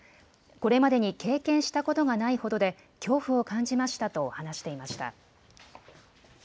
これまでに経験したことがないほどで恐怖を感じましたと話していました。